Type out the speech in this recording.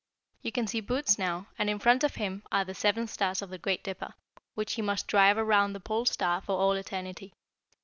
You can see Bootes now, and in front of him are the seven stars of the Great Dipper, which he must drive around the Pole Star for all eternity.